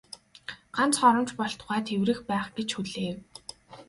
Ганц хором ч болтугай тэврэх байх гэж хүлээв.